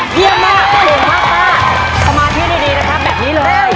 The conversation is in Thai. พอมาที่ดีแบบนี้เลย